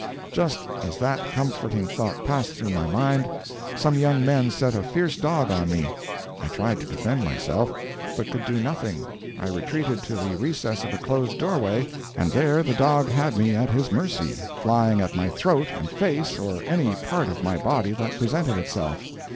Just as that comforting thought passed through my mind, some young men set a fierce dog on me. I tried to defend myself, but could do nothing. I retreated to the recess of a closed doorway, and there the dog had me at his mercy, flying at my throat and face or any part of my body that presented itself.